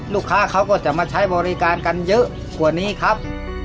ลูกค้าเขาก็จะมาใช้บริการกันเยอะกว่านี้ครับ